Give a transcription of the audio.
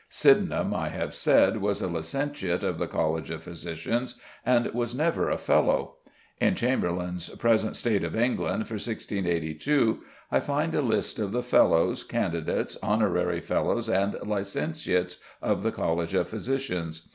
Sydenham, I have said, was a licentiate of the College of Physicians, and was never a Fellow. In Chamberlayne's "Present State of England" for 1682 I find a list of the Fellows, candidates, honorary Fellows, and licentiates of the College of Physicians.